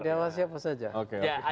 yang diwasi apa saja